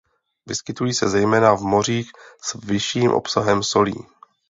Vyskytují se zejména v mořích s vyšším obsahem solí.